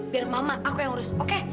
biar mama aku yang urus oke